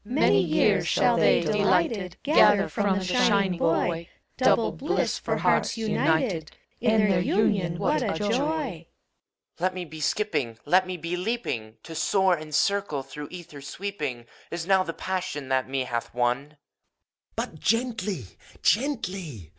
CHOBUS. Many years shall they, delighted, Gather from the shining boy Double bliss for hearts united: In their union what a joy! BUPROPION. Let me be skipping. Let me be leaping! To soar and circle. Through ether sweeping, Is now the passion That me hath won. FAUST. But gently! gently!